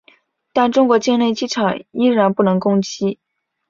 但中国境内机场依然不能攻击。